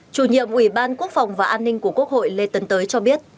chủ nhiệm ủy ban quốc phòng và an ninh của quốc hội lê tấn tới cho biết